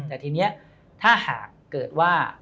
แต่ทีนี้ถ้าหากเกิดว่า